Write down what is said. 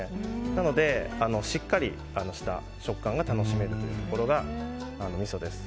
なので、しっかりした食感が楽しめるところがみそです。